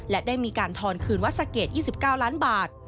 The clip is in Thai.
และได้มีการทอนคืนวัดสะเกด๒๙ล้านบาท